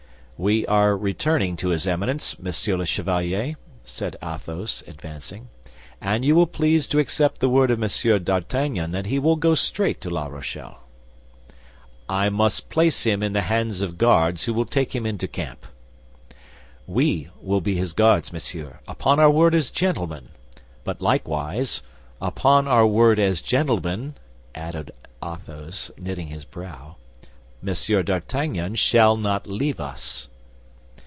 "We are returning to his Eminence, monsieur the Chevalier," said Athos, advancing; "and you will please to accept the word of Monsieur d'Artagnan that he will go straight to La Rochelle." "I must place him in the hands of guards who will take him into camp." "We will be his guards, monsieur, upon our word as gentlemen; but likewise, upon our word as gentlemen," added Athos, knitting his brow, "Monsieur d'Artagnan shall not leave us."